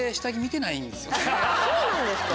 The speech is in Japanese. そうなんですか？